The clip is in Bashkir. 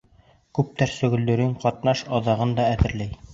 Күптәр сөгөлдөрөн, ҡатнаш аҙығын да әҙерләй.